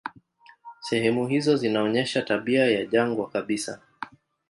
Sehemu hizo zinaonyesha tabia ya jangwa kabisa.